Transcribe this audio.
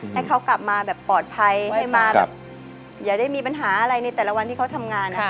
ให้เขากลับมาแบบปลอดภัยให้มาแบบอย่าได้มีปัญหาอะไรในแต่ละวันที่เขาทำงานนะคะ